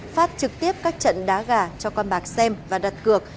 phát trực tiếp các trận đá gà cho con bạc xem và đặt cược